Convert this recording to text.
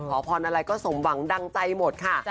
ขอพรอะไรก็สมหวังดังใจหมดค่ะ